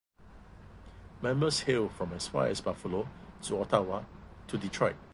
Members hail from as far as Buffalo, to Ottawa, to Detroit.